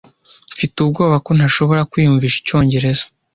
Mfite ubwoba ko ntashobora kwiyumvisha icyongereza.